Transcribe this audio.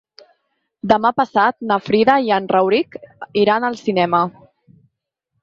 Demà passat na Frida i en Rauric iran al cinema.